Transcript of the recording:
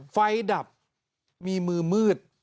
ไฟดับมีมือมืด